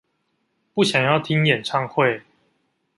不想要聽演唱會